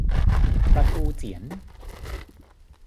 ปลาทูเจี๋ยน